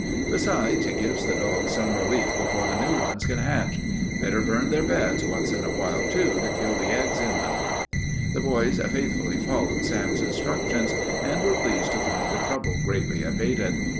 Besides, it gives the dogs some relief before the new ones can hatch. Better burn their beds once in awhile, too, to kill the eggs in 'em." The boys faithfully followed Sam's instructions and were pleased to find the trouble greatly abated.